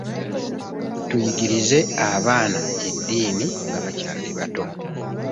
Tuyigirize abaana eddiini nga bakyali bato.